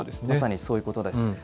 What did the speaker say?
まさにそういうことです。